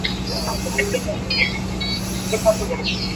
রাগ তাহার কম হয় নাই।